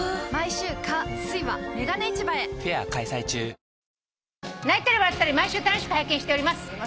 「ビオレ」「泣いたり笑ったり毎週楽しく拝見しております」